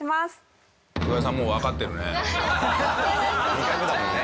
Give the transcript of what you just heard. ２回目だもんね。